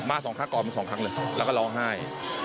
มาสองครั้งกอดผมสองครั้งเลยแล้วก็ล้องไห้